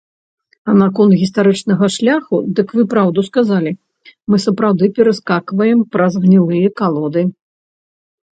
А наконт гістарычнага шляху, дык вы праўду сказалі, мы сапраўды пераскакваем праз гнілыя калоды.